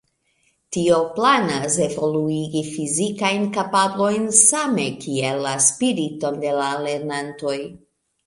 Tio planas evoluigi fizikajn kapablojn same kiel la spiriton de la lernantoj.